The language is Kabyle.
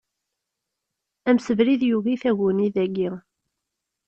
Amsebrid yugi taguni dagi.